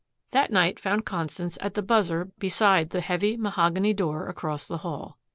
That night found Constance at the buzzer beside the heavy mahogany door across the hall.